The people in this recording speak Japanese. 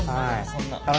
そんな！